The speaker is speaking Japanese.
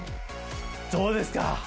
どうですか？